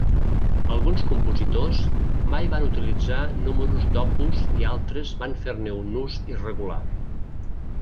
Alguns compositors mai van utilitzar números d'opus i altres van fer-ne un ús irregular.